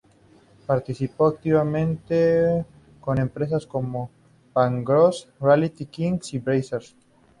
Participó activamente con empresas como: Bangbros, Reality Kings y Brazzers.